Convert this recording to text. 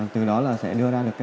từ đó sẽ đưa ra được